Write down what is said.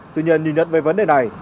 tuy nhiên nhìn nhận về vấn đề này